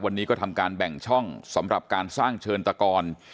วันนี้ก็ทำการแบ่งช่องสำหรับการสร้างเชิญตะกร